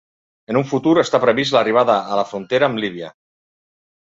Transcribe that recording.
En un futur està previst l'arribada a la frontera amb Líbia.